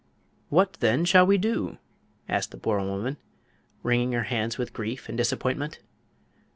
"What, then, shall we do?" asked the poor woman, wringing her hands with grief and disappointment.